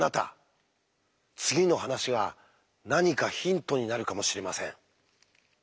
次の話が何かヒントになるかもしれません。